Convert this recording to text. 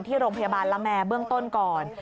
ที่โรงพยาบาลละแม่เบื้องต้นก่อน